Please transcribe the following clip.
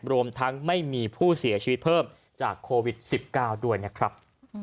รวมทั้งไม่มีผู้เสียชีวิตเพิ่มจากโควิด๑๙ด้วยนะครับ